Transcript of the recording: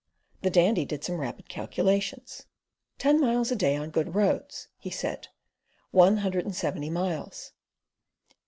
The Dandy did some rapid calculations: "Ten miles a day on good roads," he said: "one hundred and seventy miles.